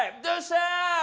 どうした？